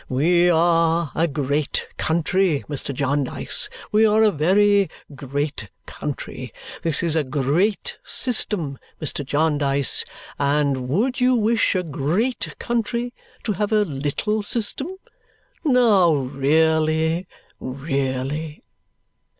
We are a great country, Mr. Jarndyce, we are a very great country. This is a great system, Mr. Jarndyce, and would you wish a great country to have a little system? Now, really, really!"